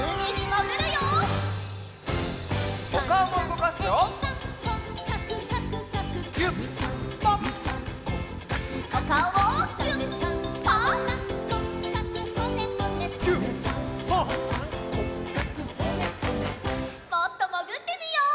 もっともぐってみよう。